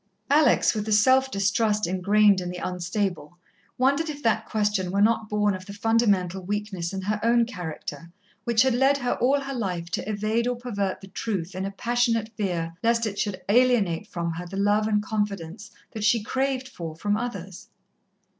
Alex, with the self distrust engrained in the unstable, wondered if that question were not born of the fundamental weakness in her own character, which had led her all her life to evade or pervert the truth in a passionate fear lest it should alienate from her the love and confidence that she craved for from others.